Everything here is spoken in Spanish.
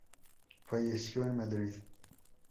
Falleció en Madrid.